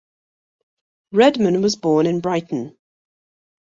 Redman was born in Brighton.